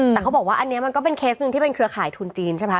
แต่เขาบอกว่าอันนี้มันก็เป็นเคสหนึ่งที่เป็นเครือข่ายทุนจีนใช่ไหม